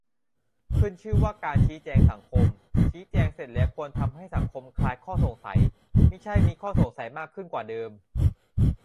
ขึ้นชื่อว่าการ "ชี้แจงสังคม" ชี้แจงเสร็จแล้วควรทำให้สังคมคลายข้อสงสัย มิใช่มีข้อสงสัยมากขึ้นกว่าเดิม